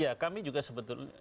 ya kami juga sebetulnya